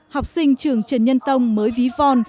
học sinh trường trần nhân tông mới ví von